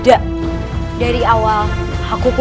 aku harus mencegah